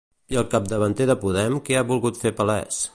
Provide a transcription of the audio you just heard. I el capdavanter de Podem què ha volgut fer palès?